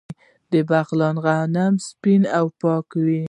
د بغلان غنم سپین او پاک وي.